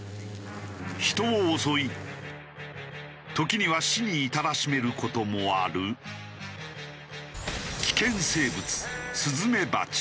人を襲い時には死に至らしめる事もある危険生物